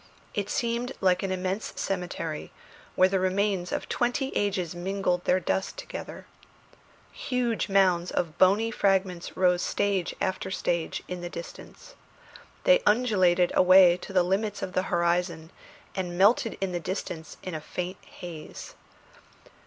It seemed like an immense cemetery, where the remains of twenty ages mingled their dust together. Huge mounds of bony fragments rose stage after stage in the distance. They undulated away to the limits of the horizon, and melted in the distance in a faint haze.